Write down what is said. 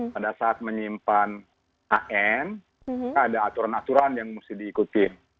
pada saat menyimpan an maka ada aturan aturan yang mesti diikutin